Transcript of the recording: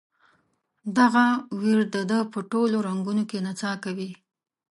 دغه ویر د ده په ټولو رګونو کې نڅا کوي.